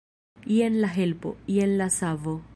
Jen la helpo, jen la savo!